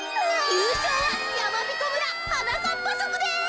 ゆうしょうはやまびこ村はなかっぱぞくです。